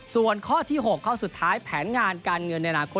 ส่วนข้อที่๖ข้อสุดท้ายแผนงานการเงินในอนาคต